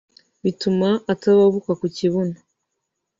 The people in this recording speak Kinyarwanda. bituma atababuka ku kibuno